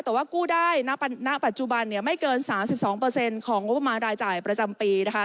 แต่ว่ากู้ได้ณปัจจุบันไม่เกิน๓๒ของงบประมาณรายจ่ายประจำปีนะคะ